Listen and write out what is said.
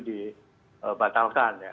di batalkan ya